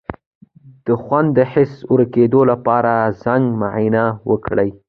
د خوند د حس د ورکیدو لپاره د زنک معاینه وکړئ